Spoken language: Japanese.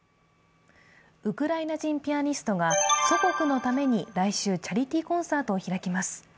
ウクライナ人ピアニストが祖国のために来週、チャリティーコンサートを開きます。